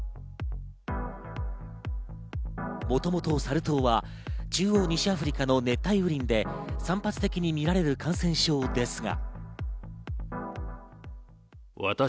もともとサル痘は中央・西アフリカの熱帯雨林で散発的に見られる感染症ですが。